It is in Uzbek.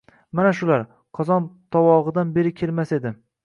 «Mana shular... qozon-tobog‘idan beri kelmas edi